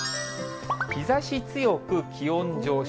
日ざし強く、気温上昇。